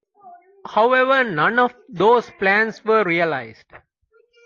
However none of those plans were realized.